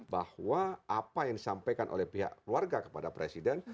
bahwa apa yang disampaikan oleh pihak keluarga kepada presiden